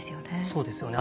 そうですよね。